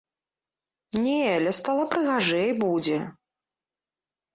Не, ля стала прыгажэй будзе!